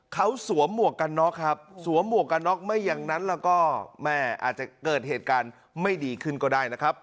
เขาสวมหมวกกันน็อกครับสวมหมวกกันน็อกไม่อย่างนั้นแล้วก็แม่อาจจะเกิดเหตุการณ์ไม่ดีขึ้นก็ได้นะครับ